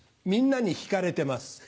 みんなに引かれてます。